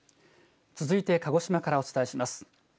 続いて鹿児島からお伝えします。